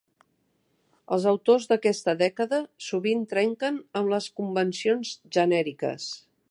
Els autors d'aquesta dècada sovint trenquen amb les convencions genèriques.